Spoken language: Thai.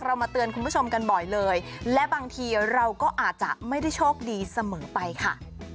มาเตือนคุณผู้ชมกันบ่อยเลยและบางทีเราก็อาจจะไม่ได้โชคดีเสมอไปค่ะ